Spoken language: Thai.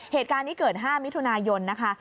เหตุการณ์นี้เกิด๕มิถุนายนนะคะ